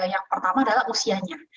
yang pertama adalah usianya